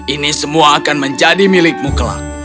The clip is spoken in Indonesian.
ini semua akan menjadi milikmu clark